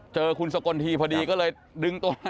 เจอคุณสกลทีพอดีก็เลยดึงตัว